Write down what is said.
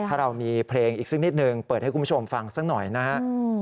ถ้าเรามีเพลงอีกสักนิดนึงเปิดให้คุณผู้ชมฟังสักหน่อยนะครับ